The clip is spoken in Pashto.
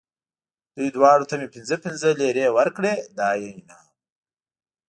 دوی دواړو ته مې پنځه پنځه لېرې ورکړې، دا یې انعام و.